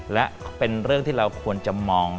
และเป็นเรื่องที่เราควรจะมอง